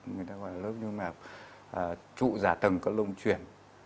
người ta gọi là lớp niêm mạc trụ giả tầng có lông chuyển